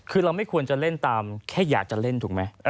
คือเราไม่ควรจะเล่นตามแค่อยากจะเล่นถูกไหม